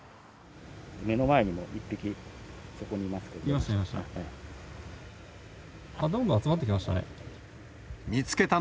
目の前にも１匹、そこにいまいました、いました。